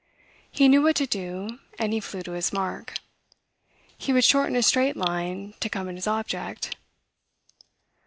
He knew what to do, and he flew to his mark. He would shorten a straight line to come at his object.